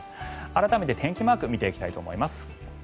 改めて天気マーク見ていきたいと思います。